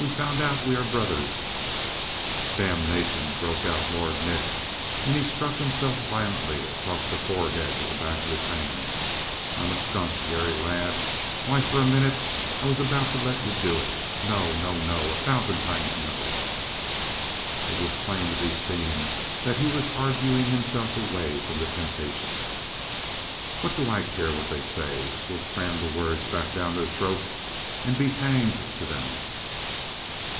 We found out we are brothers " "Damnation!" broke out Lord Nick, and he struck himself violently across the forehead with the back of his hand. "I'm a skunk, Garry, lad. Why, for a minute I was about to let you do it. No. no, no! A thousand times no!" It was plain to be seen that he was arguing himself away from the temptation. "What do I care what they say? We'll cram the words back down their throats and be hanged to 'em.